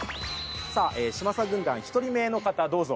さあ嶋佐軍団１人目の方どうぞ。